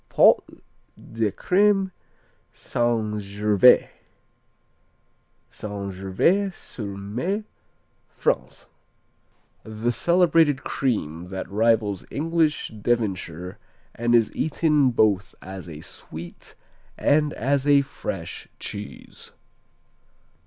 Pots de Crème St. Gervais St. Gervais sur mer, France The celebrated cream that rivals English Devonshire and is eaten both as a sweet and as a fresh cheese.